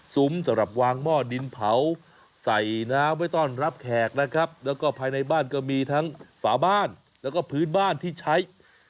สำหรับวางหม้อดินเผาใส่น้ำไว้ต้อนรับแขกนะครับแล้วก็ภายในบ้านก็มีทั้งฝาบ้านแล้วก็พื้นบ้านที่ใช้